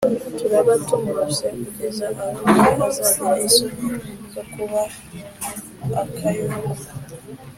Turaba tumuruse ku geza aho nawe azagira isoni zo kuba akayuku.